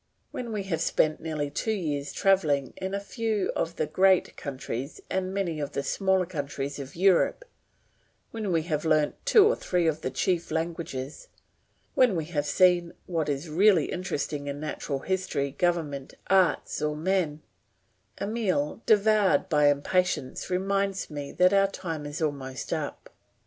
When we have spent nearly two years travelling in a few of the great countries and many of the smaller countries of Europe, when we have learnt two or three of the chief languages, when we have seen what is really interesting in natural history, government, arts, or men, Emile, devoured by impatience, reminds me that our time is almost up.